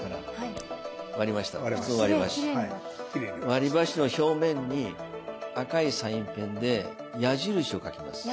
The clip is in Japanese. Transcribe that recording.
割りばしの表面に赤いサインペンで矢印を書きます。